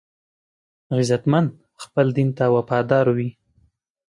غیرتمند خپل دین ته وفادار وي